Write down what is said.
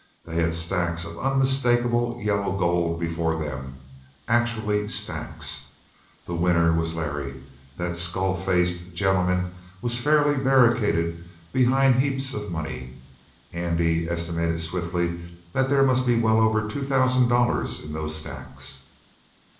They had stacks of unmistakable yellow gold before them actually stacks. The winner was Larry. That skull faced gentleman was fairly barricaded behind heaps of money. Andy estimated swiftly that there must be well over two thousand dollars in those stacks.